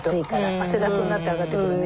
汗だくになって上がってくるね。